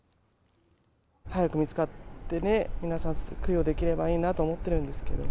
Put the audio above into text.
早く見つかってね、皆さん、供養できればいいなと思ってるんですけど。